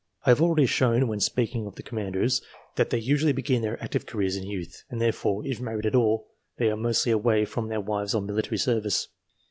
I have already shown, when speaking of the Commanders, that they usually begin their active careers in youth, and therefore, if married at all, they are mostly away from their wives on military service.